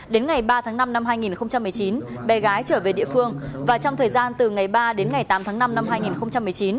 đến ngày ba tháng năm năm hai nghìn một mươi chín bé gái trở về địa phương và trong thời gian từ ngày ba đến ngày tám tháng năm năm hai nghìn một mươi chín